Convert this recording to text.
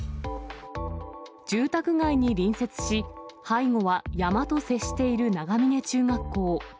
住宅街に隣接し、背後は山と接している長峰中学校。